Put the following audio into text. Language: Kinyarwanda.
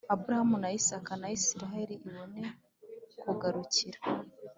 Aburahamu na Isaka na Isirayeli ibone kugarukira